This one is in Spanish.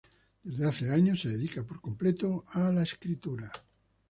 Desde hace años se dedica por completo a la escritura.